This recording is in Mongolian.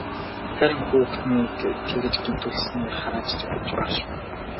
Хайран хүүхнийг тэгж гэмтүүлснийг харааж зүхэвч баршгүй.